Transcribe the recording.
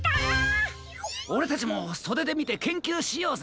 オレたちもそででみてけんきゅうしようぜ。